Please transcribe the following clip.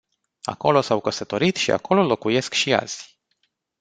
Acolo s-au căsătorit și acolo locuiesc și azi.